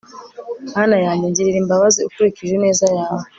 mana yanjye, ngirira imbabazi ukurikije ineza yawe